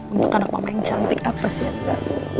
untuk anak mama yang cantik apa sih anak mama